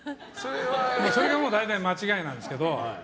それが大体間違いなんですけど。